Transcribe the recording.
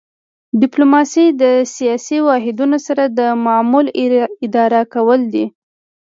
ډیپلوماسي د سیاسي واحدونو سره د معاملو اداره کول دي